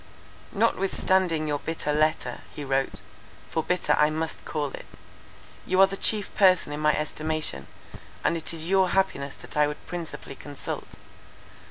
"Notwithstanding your bitter letter," he wrote, "for bitter I must call it, you are the chief person in my estimation, and it is your happiness that I would principally consult.